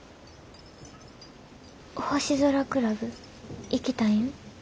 星空クラブ行きたいん？